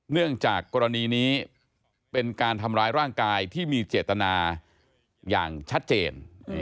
เนื่องจากกรณีนี้เป็นการทำร้ายร่างกายที่มีเจตนาอย่างชัดเจน